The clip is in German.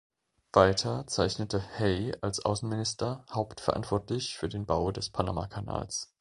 Weiter zeichnete Hay als Außenminister hauptverantwortlich für den Bau des Panamakanals.